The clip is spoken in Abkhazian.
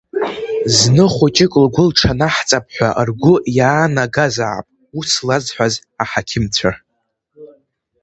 Зны хәыҷык лгәы лҽанаҳҵап ҳәа ргәы иаанагазаап, ус лазҳәаз аҳақьымцәа.